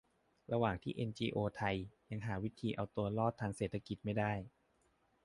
ระหว่างที่เอ็นจีโอไทยยังหาวิธีเอาตัวรอดทางเศรษฐกิจไม่ได้